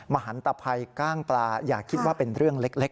หันตภัยกล้างปลาอย่าคิดว่าเป็นเรื่องเล็ก